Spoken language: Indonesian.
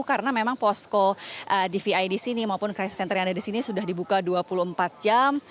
karena memang posko dvi di sini maupun crisis center yang ada di sini sudah dibuka dua puluh empat jam